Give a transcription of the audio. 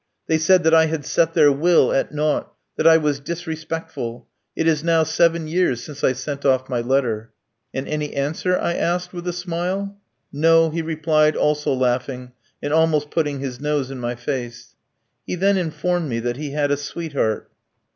They said that I had set their will at naught, that I was disrespectful. It is now seven years since I sent off my letter." "And any answer?" I asked, with a smile. "No," he replied, also laughing, and almost putting his nose in my face. He then informed me that he had a sweetheart.